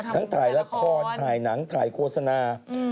ทั้งถ่ายละครถ่ายหนังถ่ายโฆษณา